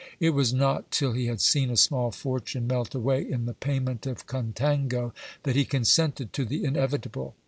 It was not till he had seen a small fortune melt away in the payment of contango, that he consented to the inevitable.